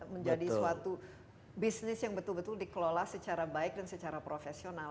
menjadi suatu bisnis yang betul betul dikelola secara baik dan secara profesional